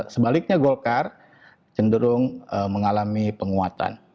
sebaliknya golkar cenderung mengalami penguatan